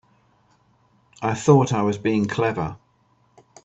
I thought I was being clever.